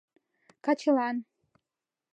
качылан.